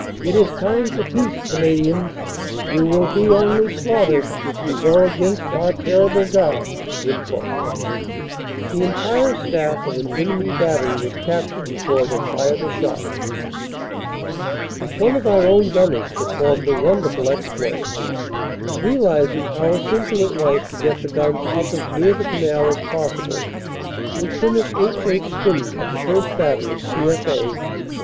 "It is time for peace, Canadians; you will be only slaughtered if you go against our terrible Guards." The entire staff of an enemy battery was captured before it had fired a shot. One of our own gunners performed a wonderful exploit. Realizing how essential it was to get the guns up as near the canal as possible, Lt. H. H. Phinney of the 1st. Battery, C.F. A.